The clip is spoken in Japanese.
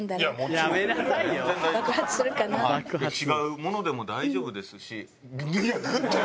違うものでも大丈夫ですし。